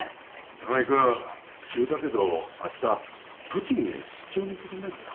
高木君急だけどあした栃木へ出張に行ってくんないかな。